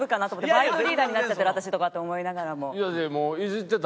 バイトリーダーになっちゃってる私とかって思いながらも。